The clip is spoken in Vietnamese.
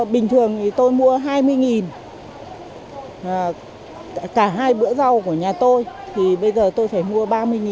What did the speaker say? bình thường thì tôi mua hai mươi cả hai bữa rau của nhà tôi thì bây giờ tôi phải mua ba mươi